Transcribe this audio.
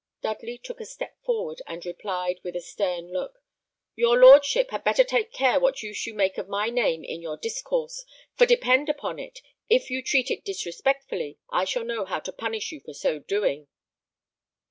Dudley took a step forward and replied, with a stern look, "Your lordship had better take care what use you make of my name in your discourse, for depend upon it, if you treat it disrespectfully I shall know how to punish you for so doing."